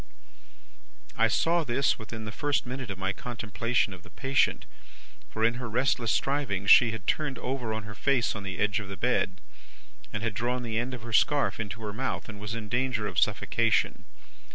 "I saw this, within the first minute of my contemplation of the patient; for, in her restless strivings she had turned over on her face on the edge of the bed, had drawn the end of the scarf into her mouth, and was in danger of suffocation.